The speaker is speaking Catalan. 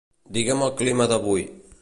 Digue'm el clima d'avui.